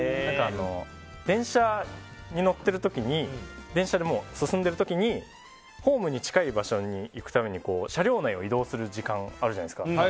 電車に乗ってる時に電車が進んでる時にホームに近い場所に行くために車両内を移動する時間あるじゃないですか。